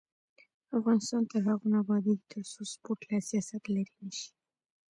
افغانستان تر هغو نه ابادیږي، ترڅو سپورټ له سیاسته لرې نشي.